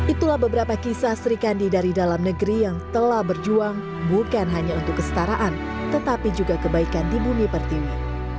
itulah beberapa kisah sri kandi dari dalam negeri yang telah berjuang bukan hanya untuk kestaraan tetapi juga kebaikan di bumi pertiwi